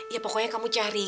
ya pokoknya kamu cari